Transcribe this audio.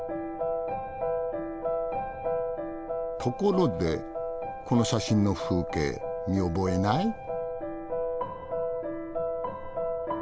ところでこの写真の風景見覚えない？